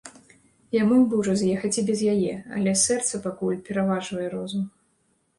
Я мог бы ўжо з'ехаць і без яе, але сэрца пакуль пераважвае розум.